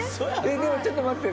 でもちょっと待って。